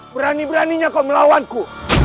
berani beraninya kau melawanku